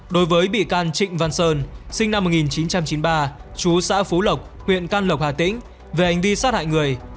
đối với bị can trịnh văn sơn sinh năm một nghìn chín trăm chín mươi ba chú xã phú lộc huyện can lộc hà tĩnh về hành vi sát hại người